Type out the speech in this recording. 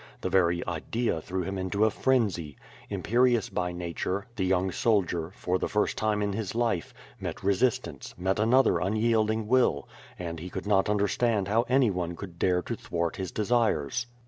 The very idea threw him into a frenzy. Imperious by nature, the young soldier, for the first time in lils life, met resistance, met another unyielding will, and he could not understand how anyone could dare to thwart his desires.